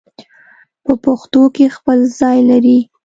په پښتو کې خپل ځای لري